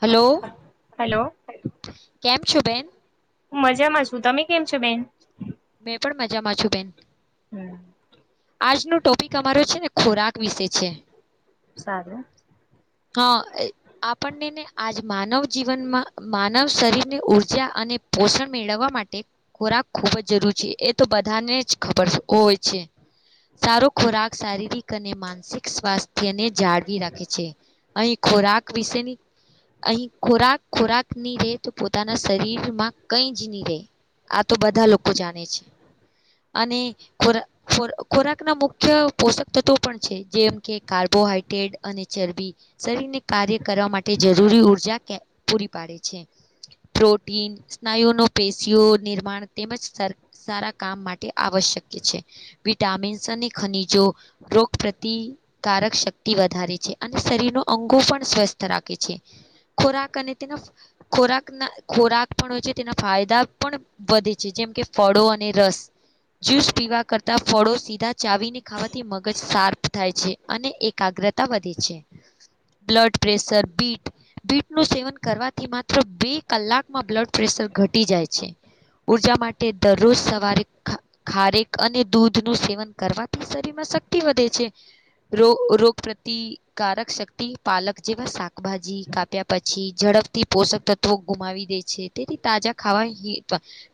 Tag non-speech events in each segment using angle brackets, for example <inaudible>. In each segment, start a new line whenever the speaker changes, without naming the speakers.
Hello
hello
કેમ છો, બેન
મજામાં છું, તમે કેમ છો, બેન
મેં પણ મજામાં છું, બેન
હમ
આજનો ટોપિક અમારો છેને, ખોરાક વિશે છે.
સારું
હા, આપણનેને આજ માનવ જીવનમાં માનવ શરીર ની ઉર્જા અને પોષણ મેળવવા માટે ખોરાક ખૂબજ. એ તો બધાને જ ખબર, હોય છે. સારો ખોરાક શારીરિક અને માનસિક સ્વાસ્થ્યને જાળવી રાખે છે. અહીં ખોરાક વિશેની. અહીં ખોરાક ખોરાકની, રે તો પોતાના શરીરમાં કઈ જ ની રે આ, તો બધા લોકો જાણે છે. અને ખ ખોરાક ના મુખ્ય પોષક તત્વો પણ છે, જેમ કે કાર્બ બોહડ્રેટ અને ચરબી શરીરને કાર્ય કરવા, માટે જરૂરી ઉર્જા પૂરી પાડે છે. પ્રોટીન, સ્નાયુ ન પેશીઓ નિર્માણ તેમજ સારા કામ માટે આવશ્યક છે, વિટામિન્સ અને ખનીજો રોગ શક્તિકારક શક્તિ વધારે છે, અને શરીર ન અંગો પણ સ્વસ્થ રાખે છે. ખોરાક અને તેના ખોરાકના ખોરાક પણ હોય છે, તેના ફાયદા પણ વધે છે, જેમ કે ફળો અને રસ જ્યુસ પીવા કરતા ફળો સીધા ચાવીને ખાવાથી મગજ સાર્પ થાય છે, અને એકાગ વધે છે, બ્લડ પ્રેશર બીટ બીટનું સેવન કરવાથી, માત્ર બે કલાકમાં બ્લડ પ્રેશર ઘટી જાય છે. ઉર્જા માટે તે દરરોજ, સવારે ખારેક અને દૂધ નું સેવન કરવાથી શરીર માં શક્તિ વધે છે. કે ર રોગ પ્રતિકારક શક્તિ, પાલક જેવા શાકભાજી કાપ્યા પછી જ. ઝડફથી પોષક તત્વો ગુમાવી દે છે, તેથી તાજા ખાવા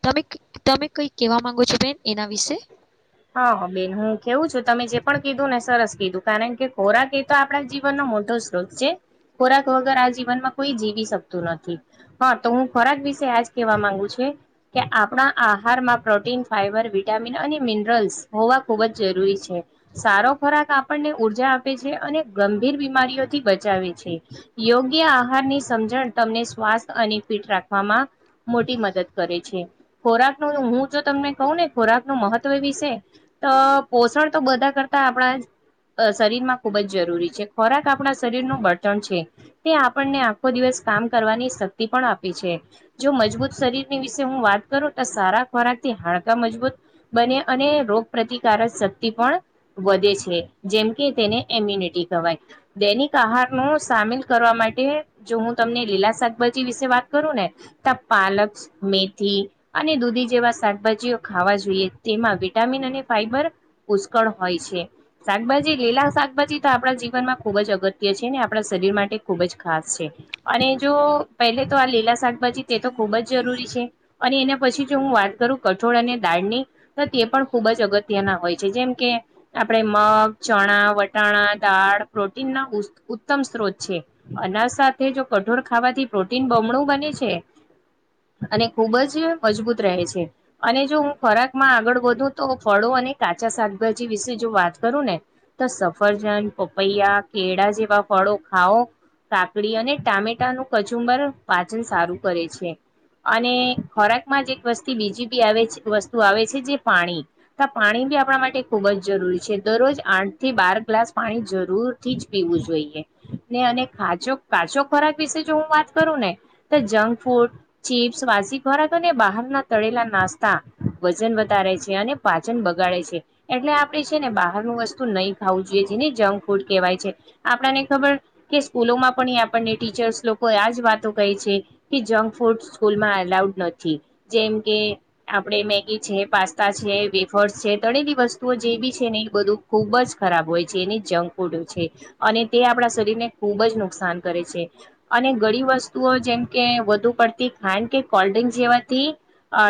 તમે તમે કઈ કેવા માંગો છો, બેન એના વિશે
હા, હ બેન હું કેવું છું, તમે જે પણ કીધું ને સરસ કીધું કારણ, કે ખોરાક એ તો આપણા જીવનનો મોટો શ્રોત છે. ખોરાક વગર આ જીવનમાં કોઈ જીવી શકતું નથી હા તો હું ખોરાક વિશે આજ કેવા માંગુ છું કે આપણા આહારમાં પ્રોટીન ફાઈબર વિટામિન અને મિ મિનરલ્સ હોવા ખૂબ જ જરૂરી છે સારો ખોરાક આપણને ઉર્જા અને ગંભીર બીમારીઓથી બચાવે છે યોગ્ય આહાર ની સમજણ તમને ખાસઅને ફિટ રાખવામાં મોટી મદદ કરે છે ખોરાક ન હું જો તમને કહું ને ખોરાક નુંમહત્વ વિશે તો પોષણ તો બધા કરતા આપણા શરીરમાં ખૂબ જ જરૂરી છે ખોરાક આપણા શરીરનું બળતણ છે તે આપણને આખો દિવસ કામકરવાની શક્તિ પણ આપી છે જો મજબૂત શરીરની વિશે હું વાત કરું તો સારા ખોરાક હાડકા મજબૂત બને અને રોગ પ્ર્રતિકારક શક્તિ પણ વધે છે જેમ કે તેને એમ્યુનિટી વા દૈનિક આહાર નો સામેલ કરવા માટે જો હું તમને લીલા શાકભાજી વિશે વાત કરું ને તો પાલક મેથી અને દૂધી જેવા શાકભાજીઓ ખાવા જોઈએ. તેમાં વિટામિન અને ફાઈબર પુષ્કળ હોય છે. શાકભાજી લીલા શાકભાજી તો આપણા જીનમાં ખૂબ જ અગત્ય છે ને આપણા શરીર માટે ખૂબ જ ખાસ છે અને જો પહેલેતો આ પલા શાકભાજી તે તો ખુબ જ જરૂરી છે. અને એના પછી જો હું વાત કરું કઠોળ અને દાળ ની તો તે પણ ખુબ જ અગત્યના હોય છે જેમ કે આપણેે મગ, ચણા, વટાણા, દાળ પ્રોટીનના ઉત્તમ સ્તોત્ર છે અના સાથે જો કઠોર ખાવાથી પ્રોટીન બમણું રહે છેઅને ખુબ જ મજબૂત રહે છે અને જો હું ખોરાક માં આગળ વધું તો ફળો અને કાચા શાકભાજી વિશે જો વાત કરું ને તો સફરજન પપૈયા કેળા જેવા ફળો ખાઓ કાકડી અને ટામેટાનુંું કચુંબર પાચન સારું કરે છે અને ખોરાક માં જ એક વસ્તી બીજી બી આવે છે વસ્તુ આવે છે જે પાણી પાણી બી આપણા માટે ખુબ જ જરૂરી છે દરરોજ આઠ થી બાર ગ્લાસ પાણી જરૂર થી જ પીવું જોઈએ ને અને કાજો કાચો ખોરાક વિશે જો હું વાત કરું જંક ફૂડ ચીપ્સ વાસી ખોરાક અને બહાર ના તળેલા નાસ્તા વજન વધારે છે અને પાચન બગાડે છે એટલે આપે છે ને બહાર નુંવસ્તુ નહી ખાવું જોઈએ કે જેનેજંક ફૂડ કહેવાય છે આપણને ખબર કે સ્કૂલોમાં પણ આપણને ટીચર્સ લોકો આ આ વાતો કહે છે કેજંક ફૂડ સ્કૂલમાં અલાઉડ નથી જેમ કે આપણે મેગી છે પાસ્તા છે વેફર્સ છે તળેલી વસ્તુઓ જે બી છે ને એ બધું ખૂબ જ ખરાબ હોય છે એની જંક ફૂડ છે અને તે આપણા શરીરને ખુબ જ નુકસાન કરે છે અને ઘનીવસ્તુઓ જેમ કે વધુ પડતી ખાંડ કે કોલ્ ડ્રિંક જેવાથી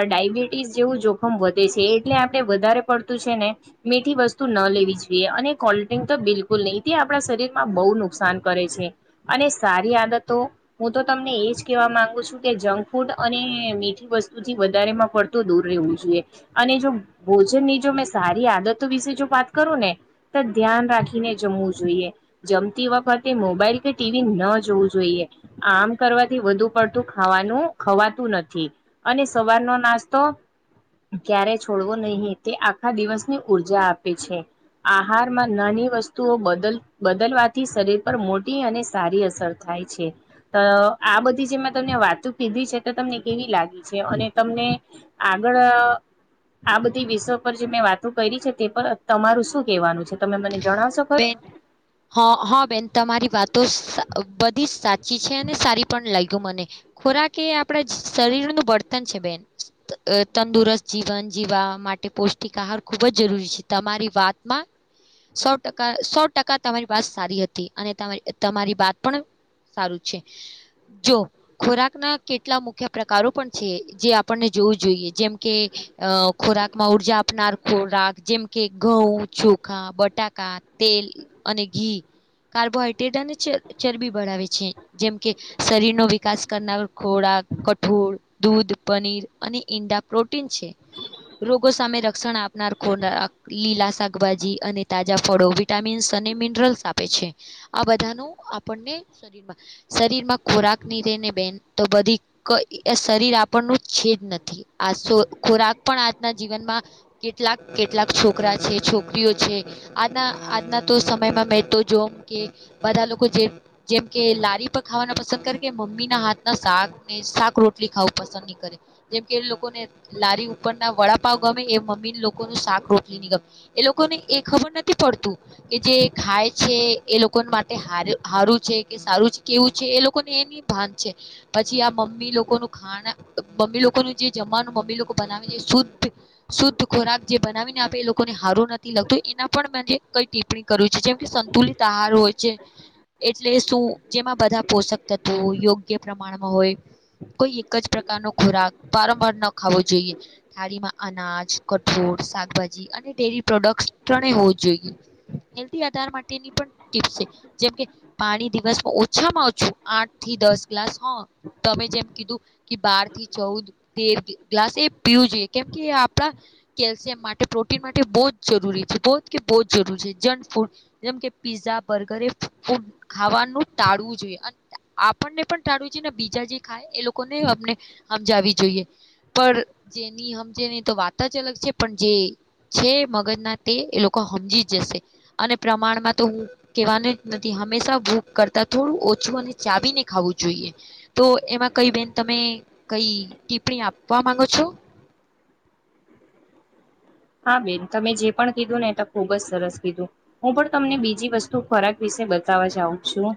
ડાયબિ બીટીસજેવું જોખમ વધે છે એટલે આપણે વધારે પડતું છે ને મીઠી વસ્તુ ન લેવી જોઈએ અને કોલ્્રિક તો બિલકુલ નહી તે આપણા શરીર માં બહુ નુકસાન કરે છે અને સારી આદતો હું તો તમને એજ કેવા માંગુ છું કે જંક ફૂડ અને મીઠી વસ્તુથી વધારે માં પડ દૂર રહેવું જોઈએ અને જો ભોજનની જો મેં સારી આદતો વિશે જો વાત કરું ને ધ્યાન રાખીને જમવું જોઈએ જમતી વખતે મોબાઈલ કે ટીવી ન જોવું જોઈએ. આમ કરવાથી વધુ પડતું ખાવાનું ખવાતું નથી અને સવારનો નાસ્તો તો ક્યારે છોડવો નહીિ તે આખા દિવસની ઊર્જા આપે છે. આહારમાં નાની વસ્તુઓ બદલ બદલવાથી શરીર પર મોટી અને સારી અસર થાય થાય છે. તો આ બધી જે મેં તમને વાતું કીધી છે તો તમને કેવી લાગી છે અને તમને આગળ આ બધી વિષયો પર જે મેં વાતો કરી છે. તે પર તમારું શું કેહેવાનું છે? તમે મને જણાવશો ખરું
બેન અ હ બેન તમારી વાતો બધી જ સાચી. ી <unintelligible> છે અને સારી પણ લાગ્યું મને ખોરાક એ આપણે શરીરનું બર્તન <unintelligible> છે. બેન તંદુરસ્ત જીવન જીવવા માટે પૌષ્ટિક આહાર ખુબ જ જરૂરી છે. તમારી વાતમાં સો ટકા સો ટકા તમારી વાત સારી હતી અને તમારી વાત પણ સારું છે જો ખોરાકના કેટલા મુખ્ય પ્રકારો પણ છે જે આપણને જોવું જોઈએ જેમ કે અ ખોરાક માં ઉર્જા આપનાર ખોરાક જેમકે ઘઉ છ <unintelligible> ખા, બટાકા, તેલ અને ઘી કાર્બોહાઈડ્રેટ અને ચર ચરબી બળાવે છે. જેમ કે શરીરનો વિકાસ કરનાર ખોરા રાક, કઠોળ, દૂધ, પનીર અને ઈંડા પ્રોટીન છે. રોગો સામે રક્ષણ આપનાર ખોરાક, લીલા બીજા ફળો વિટામિન્સ અને મિનરલ્સ આપે છે. આ બધાનું આપણને શરીરમાં સ <inaudible> તો ખોરાક પણ આજના જીવનમાં કેટલાક-કેટલાક છોકરા છે, છોકરીઓ છે આના આજના તો સમયમાં મેં તો જોમ કે બધા લોકો જેમ-જેમ કે લારી પર ખાવાના પસંદ કરે કે મમ્મી ના હાથના શાક ને શાક રોટલી ખાવું પસંદ નઈ કરે જેમકે એ લોકોને લારી ઉપરના વડાપાવ ગમે એ મમ્મી લોકોન શાક રોટલી ની ગમે. એ લોકોને એ ખબર નથી તી પડતું કે જે ખાય છે એ લોકોન માટે હારું હારું છે, કે સારું છે, કેવું છે એ લોકોને એની ભાન છે. પછી આ મમ્મી લોકોનું ખાના મમ્મી લોકોનું જે જમ્માનુ મમ બે લોકો બનાવીને શુદ્ધ-શુદ્ધ ખોરાક જે બનાવીને આપે એ લોકોને હારો નથી લગતો એના પણ મે જે કઈ ટિપ્પણી કરું છું જેમ કે સંતુલિત આહાર હોય છે. એટલે શું, જેમાં બધા પોષક તત્વો યોગ્ય પ્રમાણમાં હોય કોઈ એક જ પ્રકારનો ખોરાક વારંવાર ન ખાવો જોઈએ થાળીમાં અનાજ, કઠોળ શાકભાજી અને ડેરી પ્રોડક્ટસ ત્રણે હોવું જોઈએ. હેલ્દિ આધાર માટેની પણ ટીપ્સ છે જેમકે પાણી દિવસ ઓછામાં ઓછું આઠ થી દસ ગ્લાસ હોય. તમે જેમ કીધું કે બાર થી ચૌદ તેર ગ્લાસ એ પીયુ જ છે કેમ કે એ આપણા કેલ્શિયમ માટે પ્રોટીન માટે બોજ જરૂરી બોજ કે બોજ જરૂરી જંકફૂડ જેમ કે પીઝા, બર્ગર એવું ખાવાનું ટા ટાળવું જોઈએ આપણને પણ ટાળવું જોઈએ બીજા જે ખાય એ લોકોને અમને <unintelligible> સમજાવી જોઈએ. પણ જેની તે એ લોકો હમજી જ જશે અને પ્રમાણમાં તો હું કેવાનું જ નથી હંમેશા ભૂલ <unintelligible> કરતા થોડું ઓછું અને ચાવીને ખાવું જોઈએ તો એમાં કઇ આપણી આપવા માંગો છો?
હા બેન તમે જે પણ કીધું ને તે ખુબ જ સરસ કીધું. હું પણ તમને બીજી વસ્તુ ને બતાવા જાઉ છું.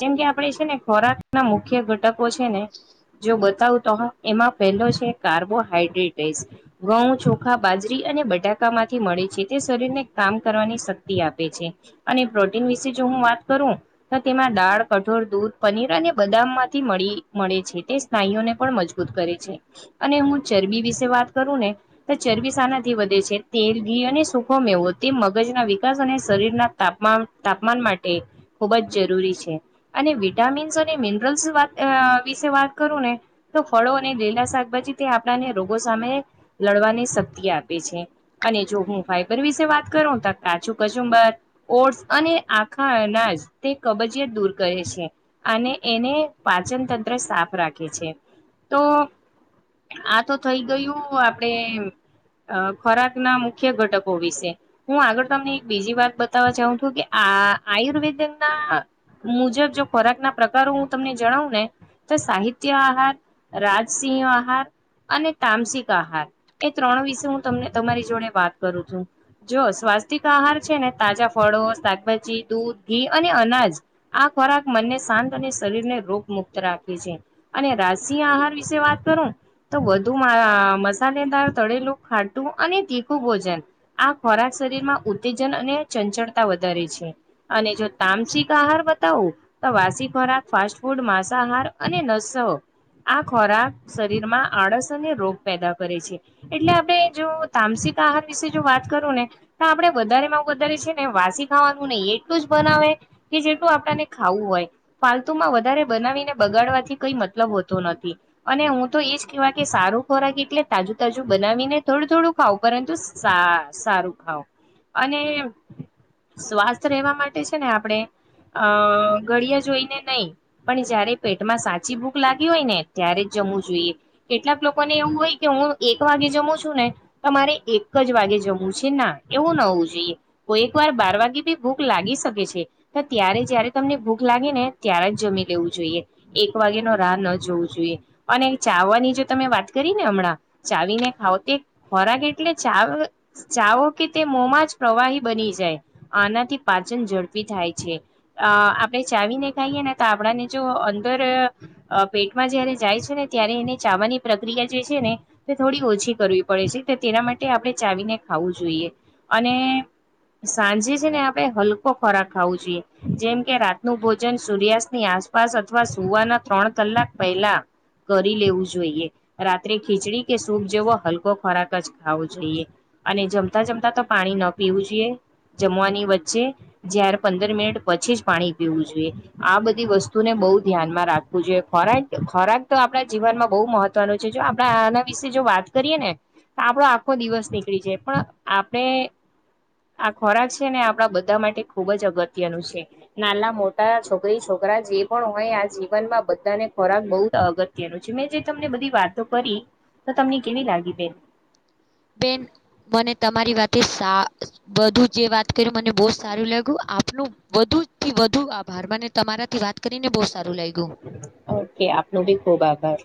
જેમ કે આપણે છે ને ખોરાક ના મુખ્ય જો બતાવ અને બટાકા માંથી મળે છે. તે શરીરને કામ કરવાની શક્તિ આપે છે અને પ્રોટીન વિશે જો હું વાત કરું તો તેમાં દાળ, કઠોળ, દૂધ, પનીર અને બદામ માંથી મળી મળે છે તે સ્નાયુઓને પણ મજબૂત કરે છે. અને હું ચરબી વિશે વાત કરું ને તો ચરબી સાના થી વધે છે તેલ ઘી અને સુૂખો મેવો તે મગજના વિકાસ અને શરીરના તાપમાનમાં ખબ જ જરૂરી છે અને વિટામિન્સ અને મિનરલ્ વિશે વાત કરૂને તો ફળો અને લીલા શાકભાજી તે આપણાને રોગો સામે લડવાની શક્તિ આપ પે છે અને જો હું ફાયબર બર વિશે વાત કરું તો કાચું કચુંબર ઓ્સ અને ખા નાઝ તે કબજીયત દૂર કરે છે. આને એને પાચન તંત્ર સાફ રા કે છે. તો આ તો થઈ ગયું આપડેમ્ અ ખોરાકના મુખ્ય ઘટકો વિશે હું આગળ તમને એક બીજી બાત બતાવવા જઉ છું કે આ આ-આયુર્વેદનના મુજબ જો ખોરાક ના પ્રકારો હું તમને જણાવું ને તો સાહિત્ય આહાર, રાજસિંહ આહાર અને તામસિક આહાર એ ત્રણ વિશે હું તમને તમારી જોડે વાત કરું છું. જો સ્વાસ્થિક આહાર છે ને તાજા ફળો, શાકભાજી દૂધ, ઘી અને અનાજ આ ખોરાક મનને શાંત અને શરીરને રોગ મુક્ત રાખે છે. અને રાશિ આહાર વિશે વાત કરું તો વધુ મા-આ મસાલેદાર તળેલું ખા ટુ અને તીખું ભોજન. આ ખોરાક શરીરમાં ઉત્તેજન અને ચંચળતા વધારે છે. અને જો તામસિક આહાર બતાઉ તો વાસી ખોરાક, ફાસ્ટ ફૂડ, માંસા આહાર અને નસ તો આ ખોરાક શરીરમાં આળસ અને રોગ પેદા કરે છે. એટલે આપણે તો તમસિક આહાર વિશે જો વાત કરું ને તો આપડે વધારે માં વધારે છે ને વાસી ખાવાનું નઈ. એ એટલુ જ બનાવે કે જેટલું આપણાને ખાવું હોય. ફાલતુમાં વધારે બનાવીને બગાડવાથી કઈ મતલબ હોતો નથી, અને હું, તો એજ કહેવા કે સારો ખોરાક એટલે તાજુ, તાજું બનાવીને થોડું, થોડું ખાવ પરંતુ, સારું ખાાવ અને સ્વાસ્થ રહેેવા માટે છેને, આપડણે અ ઘળિયા જોઈ, ને નહીિ પણ જયારે પેટમાં સાચી ભૂખ લાગી હોય, ને ત્યારે જ જમું જોઈએ, કેટલાક લોકોને એવું હોય કે હું, એક વાગે જમું છ તમારે એક જ વાગે જમવું છે, ના એવું ન હોવું, જોઈએ કોઈ એક વાર બાર વાગે બી ભૂખ લાગી શકે છે, ત્યારે જયારે તમને ભૂખ લાગે, ને ત્યારે જ જમી લેવું જોઈએ એક વાર રાહ ન જોવું જોઈએ, અને ચાવાની જો તમે વાત કરી ને હમણાં ચાવીને ખાવ તે ખોરાક એટલે ચ ચાવો, કે તે મોમાં જ પ્રવાહી બની જાય અને થી, પાચન ઝડપી થાય છે. અ આપડે ચાવીને ખાઈએ, ને તો આપડાને જો અંદર પેટમાં જયારે જાય છેને. ત્યારે એને ચાવાની પ્રક્રિયા જે છેને, તે થોડી ઓછી કરવી પડે છે, તો તેના માટે આપણે ચાવીને ખાવું જોઈએ અને સાંજે છેને, આપડે હલકો ખોરાક ખાવો જોઈએ જેમ કે રાતનું, ભોજન સૂર્યાસ્તની આસપાસ અથવા સુવાના ત્રણ કલાક પહેલા કરી લેવું જોઈએ, રાત્રે ખીચડી કે સૂપ જેવો હલકો, ખોરાક જ ખાવો જોઈએ અને જમતા જમતા તો પાણી ન પીવું જોઈએ જમવાની વચ્ચે જયારે, પંદર મિનિટ પછી જ પાણી પીવું જોઈએ, આ બધી વસ્તુને બહુ ધ્યાનમાં રાખવું જોઈએ, ખોરાક ખોરાક તો આપણા જીવનમાં બહુ મહત્વનું છે, જો આપણા આના વિશે જો વાત કરીએ ને, તો આપડો આખો દિવસ નીકળી જાય પણ આપણે. આ ખોરાક છેને, આપડા બધા માટે ખુબજ અગત્યનું છે, નાના મોટા છોકરી છોકરી છરા જે પણ હોય, આ જીવનમાં બધાને ખોરાક બહુ અગત્યનું છે, મેં જે તમને બધી વાતો કરી તો તમને કેવી લાગી બેન
બેન, મને તમારી વાતે સા બધું જે વાત કર્યું, મને બહ સારું લાગ્યું આપનું વધુ થી વધુ આ ભારમાંને તમારાથી વાત કરીને, બહુ સારું લાગ્યું
ઓકે આપપનો, બી ખૂબ આભાર